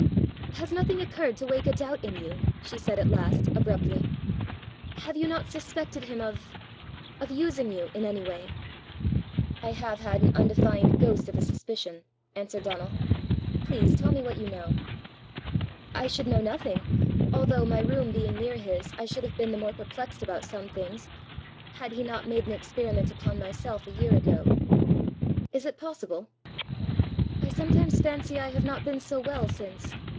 "Has nothing occurred to wake a doubt in you?" she said at last, abruptly. "Have you not suspected him of of using you in any way?" "I have had an undefined ghost of a suspicion," answered Donal. "Please tell me what you know." "I should know nothing although, my room being near his, I should have been the more perplexed about some things had he not made an experiment upon myself a year ago." "Is it possible?" "I sometimes fancy I have not been so well since.